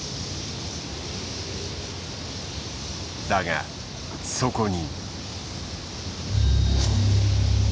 だがそこに。